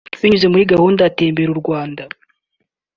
binyuze muri gahunda ya Tembera u Rwanda